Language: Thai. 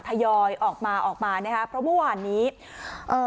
ยอยออกมาออกมานะคะเพราะเมื่อวานนี้เอ่อ